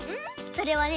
それはね